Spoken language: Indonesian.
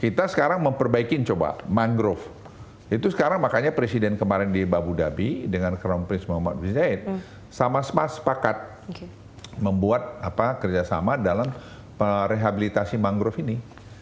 kita sekarang memperbaiki coba mangrove itu sekarang makanya presiden kemarin di babudabi dengan kron prince muhammad bin zaid sama sama sepakat membuat kerjasama dalam rehabilitasi mangrove ini